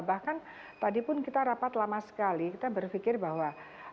bahkan tadi pun kita rapat lama sekali kita berpikir bahwa